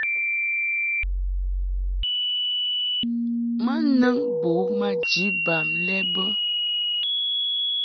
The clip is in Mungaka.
Ma nɨŋ bo u maji bam lɛ bə.